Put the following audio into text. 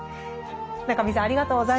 中見さんありがとうございました。